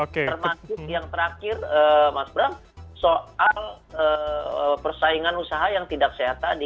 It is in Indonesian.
termasuk yang terakhir mas bram soal persaingan usaha yang tidak sehat tadi